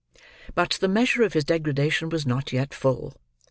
But, the measure of his degradation was not yet full.